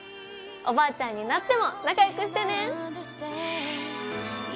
おばあちゃんになっても仲良くしてね！